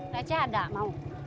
rp sepuluh ada mau